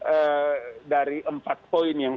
ee dari empat poin yang